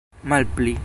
malpli